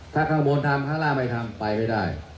ถ้าข้างบนทำข้างล่างไม่ทำไปไม่ได้